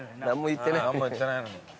何も言ってないのに。